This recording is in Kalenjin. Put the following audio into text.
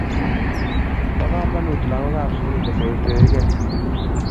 bo kamanuut lagookab sugul koserserigee